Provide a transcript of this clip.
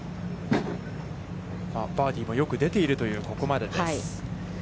バーディーもよく出ているという、ここまでです。